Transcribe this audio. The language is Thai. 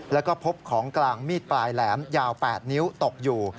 แล้วก็พบของกลางมีดปลายแหลมยาว๘นิ้วตกอยู่